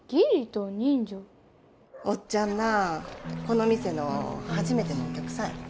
おっちゃんなこの店の初めてのお客さんやねん。